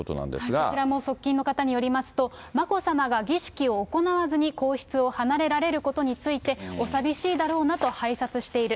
こちらも側近の方によりますと、眞子さまが儀式を行わずに皇室を離れられることについて、お寂しいだろうなと拝察している。